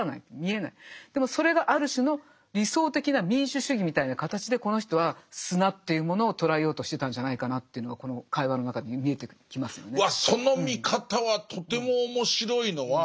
でもそれがある種の理想的な民主主義みたいな形でこの人は砂というものを捉えようとしてたんじゃないかなというのがこの会話の中で見えてきますよね。